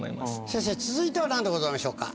先生続いては何でございましょうか？